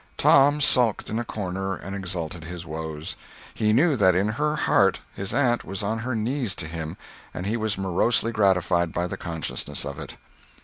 Tom sulked in a corner and exalted his woes. He knew that in her heart his aunt was on her knees to him, and he was morosely gratified by the consciousness of it.